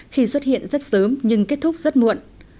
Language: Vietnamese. khi xuất hiện rất sớm nhưng kết thúc rất muộn